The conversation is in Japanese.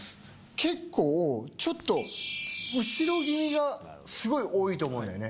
結構、ちょっと後ろ気味がすごい多いと思うのよね。